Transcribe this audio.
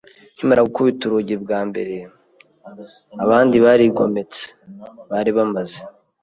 Nkimara gukubita urugi bwa mbere, abandi barigometse bari bamaze